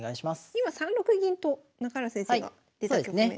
今３六銀と中原先生が出た局面。